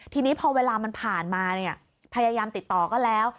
ทีนี้พอเวลามันผ่านมาเนี่ยพยายามติดต่อก็แล้ว